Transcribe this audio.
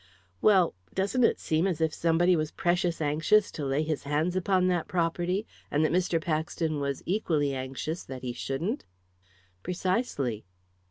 "Well doesn't it seem as if somebody was precious anxious to lay his hands upon that property, and that Mr. Paxton was equally anxious that he shouldn't?" "Precisely."